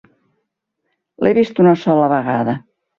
L'he vist una sola vegada.